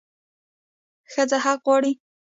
ښځه حق غواړي